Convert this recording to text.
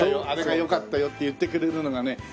「あれがよかったよ」って言ってくれるのがね